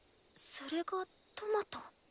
それがトマト？